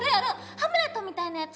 「ハムレット」みたいなやつ。